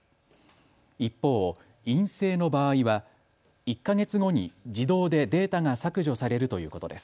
一方、陰性の場合は１か月後に自動でデータが削除されるということです。